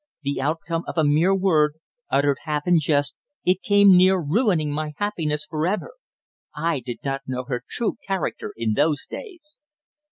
The outcome of a mere word, uttered half in jest, it came near ruining my happiness for ever. I did not know her true character in those days."